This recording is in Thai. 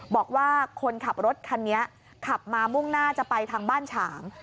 บอกว่าคนขับรถคันนี้ขับมามุ่งหน้าจะไปทางบ้านฉาง